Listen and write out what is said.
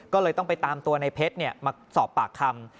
ก็เลยต้องไปตามตัวในเพชรมาสอบปากคำ